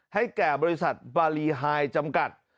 ให้แก่บริษัทบารีไฮจำกัด